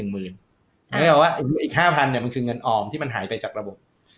ไม่แปลว่าอีก๕๐๐๐เนี่ยมันคือเงินออมที่มันหายไปจากระบบ